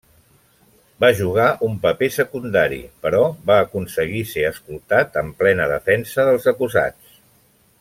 Va jugar un paper secundari, però va aconseguir ser escoltat en plena defensa dels acusats.